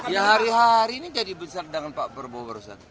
ya hari hari ini jadi besar dengan pak prabowo barusan